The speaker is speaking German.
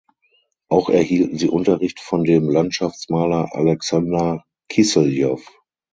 Auch erhielten sie Unterricht von dem Landschaftsmaler Alexander Kisseljow.